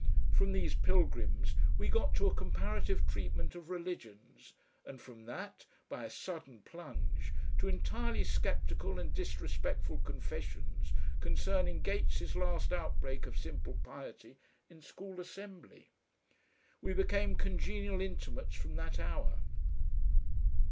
From these pilgrims we got to a comparative treatment of religions, and from that, by a sudden plunge, to entirely sceptical and disrespectful confessions concerning Gates' last outbreak of simple piety in School Assembly. We became congenial intimates from that hour.